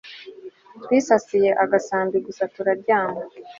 twisasiye agasambi gusa turaryama